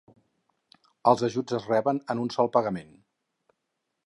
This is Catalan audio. Els ajuts es reben en un sol pagament.